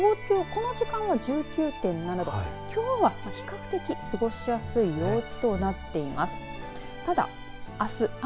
この時間は１９．７度きょうは比較的、過ごしやすい陽気となっています。